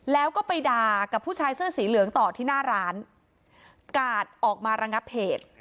แล้วก็ไปด่ากับผู้ชายเสื้อสีเหลืองต่อที่หน้าร้านกาดออกมาระงับเหตุ